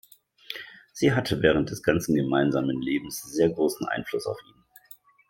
Sie hatte während des ganzen gemeinsamen Lebens sehr großen Einfluss auf ihn.